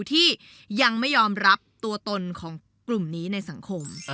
ที่ยังไม่ยอมรับตัวตนของกลุ่มนี้ในสังคม